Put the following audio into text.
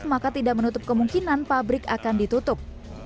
maka tidak menutup kemungkinan pabrik akan ditutup